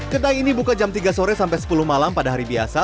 kedai ini buka jam tiga sore sampai sepuluh malam pada hari biasa